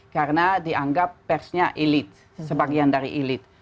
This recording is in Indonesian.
karena dianggap persnya elit sebagian dari elit